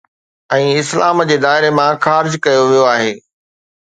۽ اسلام جي دائري مان خارج ڪيو ويو آهي